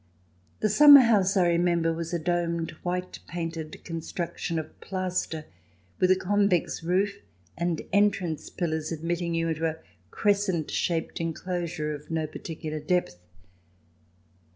The summer house, I remember, was a domed, white painted construction of plaster, with a convex roof and entrance pillars admitting you into a crescent shaped enclosure of no particular depth.